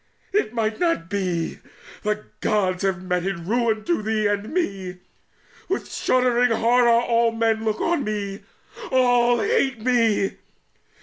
It might not be; The Gods have meted ruin to thee and me. With shuddering horror all men look on me, All hate me!